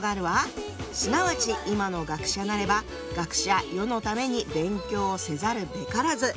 「すなわち今の学者なれば学者世のために勉強をせざるべからず」。